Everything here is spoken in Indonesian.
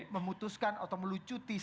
memutuskan atau melucuti setiap